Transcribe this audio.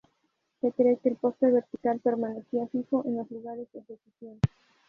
Se cree que el poste vertical permanecía fijo en los lugares de ejecución.